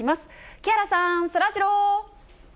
木原さん、そらジロー。